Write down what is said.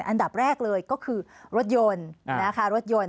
อันดับแรกเลยก็คือรถยนต์